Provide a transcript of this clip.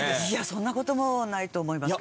そんなこともないと思います。